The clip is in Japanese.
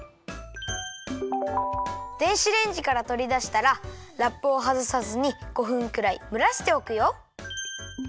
電子レンジからとりだしたらラップをはずさずに５分くらいむらしておくよ。